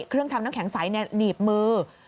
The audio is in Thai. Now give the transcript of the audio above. เครื่องทำน้ำแข็งใสหนีบมือ